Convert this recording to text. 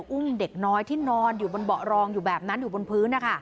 อุ้มเด็กน้อยที่นอนอยู่บนเบาะรองอยู่แบบนั้นอยู่บนพื้น